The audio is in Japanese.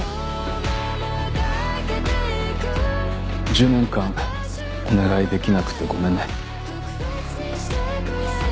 １０年間お願いできなくてごめんね。